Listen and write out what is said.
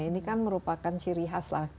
ini kan merupakan ciri khas lah